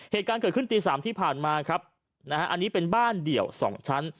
เหตุการณ์เกิดขึ้นตี๓ที่ผ่านมาอันนี้เป็นบ้านเดี่ยว๒ชั้น